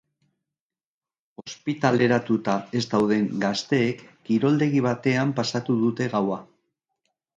Ospitaleratuta ez dauden gazteek kiroldegi batean pasatu dute gaua.